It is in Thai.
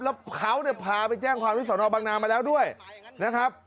แล้วเขาเนี่ยพาไปแจ้งความที่สอนอบังนามาแล้วด้วยนะครับ